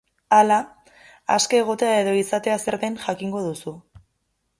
Hala, aske egotea edo izatea zer den jakingo duzu.